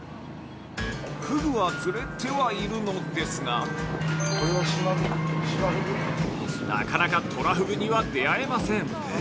ふぐは釣れてはいるのですがなかなか、とらふぐには出会えません。